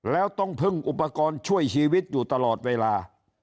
แล้วต้องพึ่งอุปกรณ์ช่วยชีวิตอยู่ตลอดเวลา